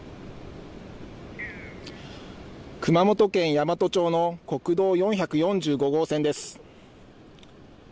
熊本県山都町の国道４４５号線です。